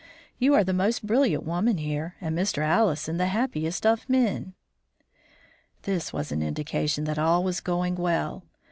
You are the most brilliant woman here, and Mr. Allison the happiest of men." This was an indication that all was going well.